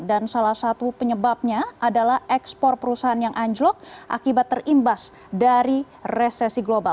dan salah satu penyebabnya adalah ekspor perusahaan yang anjlok akibat terimbas dari resesi global